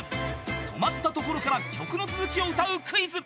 ［止まったところから曲の続きを歌うクイズ］